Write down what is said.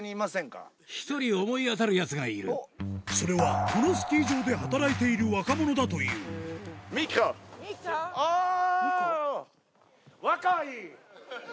それはこのスキー場で働いている若者だというおぉ！